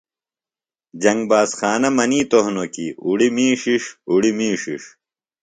جنگ باز خانہ منِیتوۡ ہِنوۡ کیۡ اُڑیۡ می ݜݜ، اُڑیۡ می ݜݜ